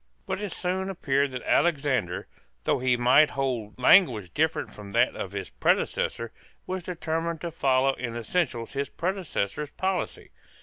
But it soon appeared that Alexander, though he might hold language different from that of his predecessor, was determined to follow in essentials his predecessor's policy.